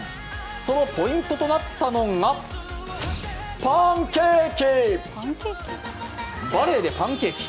そのポイントとなったのがパンケーキ。